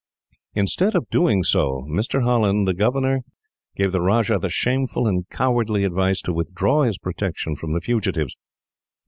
Instead of doing so, Mr. Holland, the governor, gave the Rajah the shameful and cowardly advice to withdraw his protection from the fugitives.